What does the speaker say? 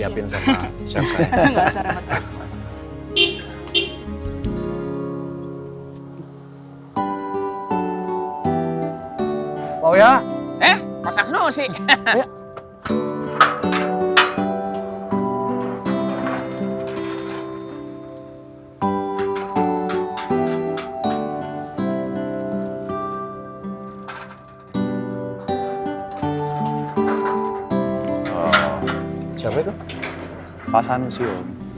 pak sanusi om